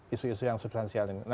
isu isu yang substansial ini